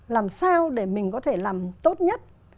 làm sao để mình có thể làm tốt nhất